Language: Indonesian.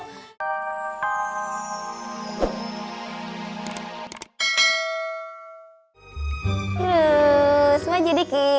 terus maju dikit